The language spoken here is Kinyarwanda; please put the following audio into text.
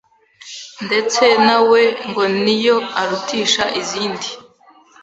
ndetse na we ngo niyo arutisha izindi